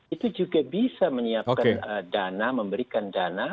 itu juga bisa menyiapkan dana memberikan dana